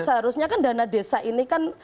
seharusnya kan dana desa ini kan